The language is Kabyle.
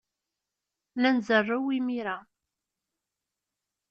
La nzerrew imir-a.